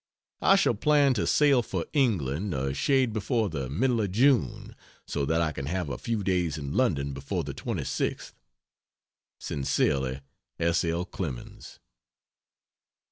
I shall plan to sail for England a shade before the middle of June, so that I can have a few days in London before the 26th. Sincerely, S. L. CLEMENS.